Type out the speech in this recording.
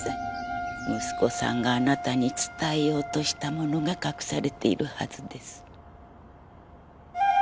息子さんがあなたに伝えようとしたものが隠されているはずです。